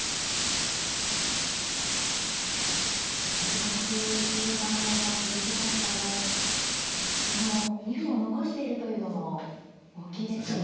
難しい中盤戦が続きましたがこの２分を残しているというのも大きいですね。